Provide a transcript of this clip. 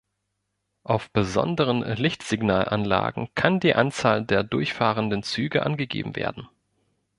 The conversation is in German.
Auf besonderen Lichtsignalanlagen kann die Anzahl der durchfahrenden Züge angegeben werden.